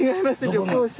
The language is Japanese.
旅行者。